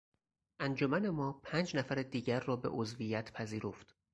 انجمن ما پنج نفر دیگر را به عضویت پذیرفت.